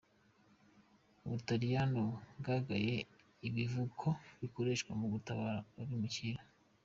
Ubutaliyano bwugaye ibivuko bikoreshwa mu gutabara abimukira.